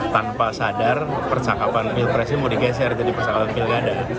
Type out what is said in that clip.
tanpa sadar percakapan pilpres ini mau digeser jadi persoalan pilkada